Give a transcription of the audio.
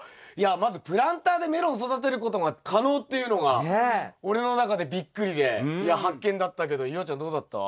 まずプランターでメロン育てることが可能っていうのが俺の中でびっくりで発見だったけど夕空ちゃんどうだった？